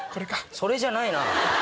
それじゃないな。